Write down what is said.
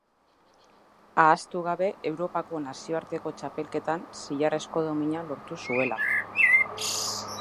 Ahaztu gabe Europako nazioarteko txapelketan zilarrezko domina lortu zuela.